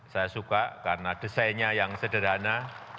saya suka karena desainnya yang sederhana